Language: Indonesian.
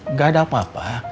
nggak ada apa apa